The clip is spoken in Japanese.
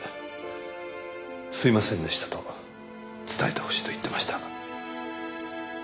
すいませんでしたと伝えてほしいと言ってました。